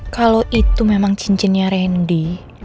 kalau itu memang cincinnya randy